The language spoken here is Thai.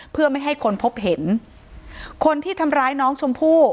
เพื่อไม่ให้คนพบเห็นคนที่ทำร้ายน้องชมพู่